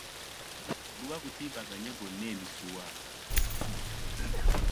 Guba gutimbaganye gwonna emisiwa.